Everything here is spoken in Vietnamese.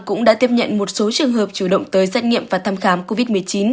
cũng đã tiếp nhận một số trường hợp chủ động tới xét nghiệm và thăm khám covid một mươi chín